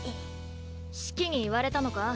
四季に言われたのか？